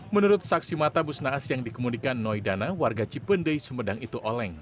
menurut saksi mata bus naas yang dikemudikan noidana warga cipendei sumedang itu oleng